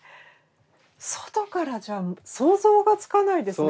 外からじゃ想像がつかないですね